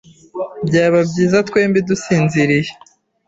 Byaba byiza twembi dusinziriye.